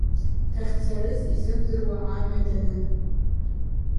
Дахьцарыз изымдыруа, амҩа данын.